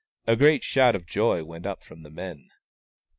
A great shout of joy went up from the men.